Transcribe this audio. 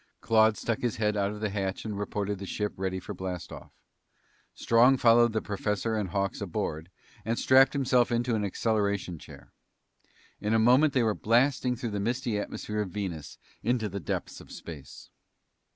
Claude stuck his head out of the hatch and reported the ship ready for blast off. Strong followed the professor and Hawks aboard and strapped himself into an acceleration chair. In a moment they were blasting through the misty atmosphere of Venus into the depths of space.